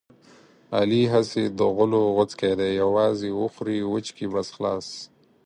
علي هسې د غولو غوڅکی دی یووازې وخوري وچکي بس خلاص.